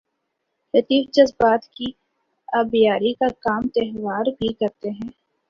لطیف جذبات کی آبیاری کا کام تہوار بھی کرتے ہیں۔